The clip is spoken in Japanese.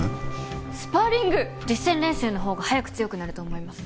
実戦練習のほうが早く強くなると思います。